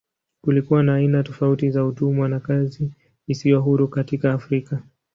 Kulikuwa na aina tofauti za utumwa na kazi isiyo huru katika Afrika.